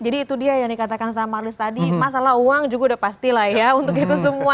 jadi itu dia yang dikatakan sama marlies tadi masalah uang juga sudah pasti untuk itu semua